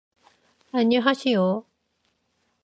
안녕하시오.